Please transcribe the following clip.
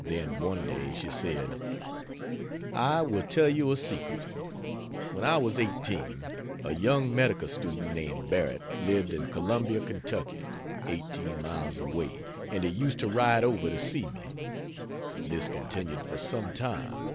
Then one day she said: "I will tell you a secret. When I was eighteen, a young medical student named Barrett lived in Columbia (Ky.) eighteen miles away; and he used to ride over to see me. This continued for some time.